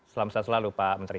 selamat selalu pak menteri